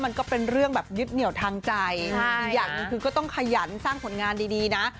มันก็เป็นเรื่องแบบยึดเหนียวทางใจอีกอย่างหนึ่งคือก็ต้องขยันสร้างผลงานดีนะ